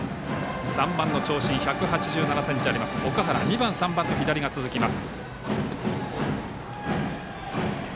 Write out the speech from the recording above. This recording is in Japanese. ３番の長身１７８ｃｍあります、岳原と２番、３番と左が続きます。